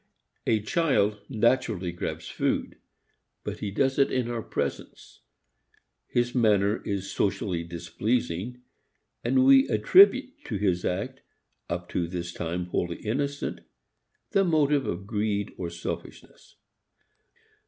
A child naturally grabs food. But he does it in our presence. His manner is socially displeasing and we attribute to his act, up to this time wholly innocent, the motive of greed or selfishness.